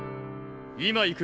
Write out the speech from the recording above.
今行く。